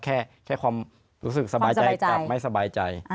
แค่ใช้ความรู้สึกสบายใจกลับไม่สบายใจ